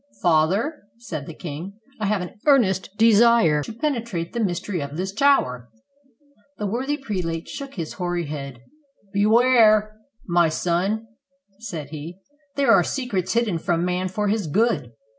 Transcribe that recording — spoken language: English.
: "Father," said the king, "I have an earnest desire to penetrate the mystery of this tower." The worthy prelate shook his hoary head. "Beware, 433 SPAIN my son," said he; "there are secrets hidden from man for his good.